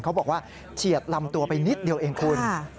เขาบอกว่าเฉียดลำตัวไปนิดเดียวเองคุณ